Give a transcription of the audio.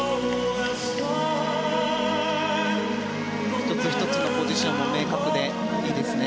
１つ１つのポジションが明確でいいですね。